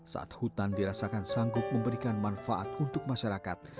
saat hutan dirasakan sanggup memberikan manfaat untuk masyarakat